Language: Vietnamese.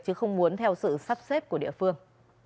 chứ không muốn theo sự sắp xếp của địa phương